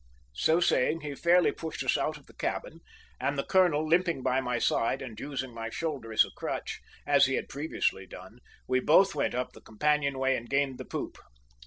So saying, he fairly pushed us out of the cabin; and, the colonel limping by my side and using my shoulder as a crutch, as he had previously done, we both went up the companion ladder, and gained the poop.